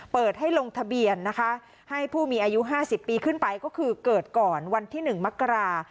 เปิดให้ลงทะเบียนนะคะให้ผู้มีอายุ๕๐ปีขึ้นไปก็คือเกิดก่อนวันที่๑มกรา